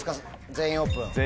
「全員オープン」